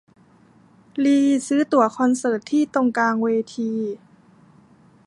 ลีซื้อตั๋วคอนเสิร์ตที่ตรงกลางเวที